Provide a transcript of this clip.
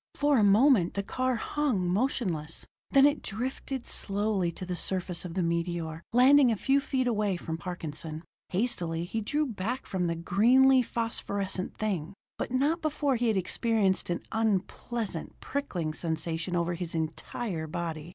For a moment the car hung motionless, then it drifted slowly to the surface of the meteor, landing a few feet away from Parkinson. Hastily he drew back from the greenly phosphorescent thing but not before he had experienced an unpleasant prickling sensation over his entire body.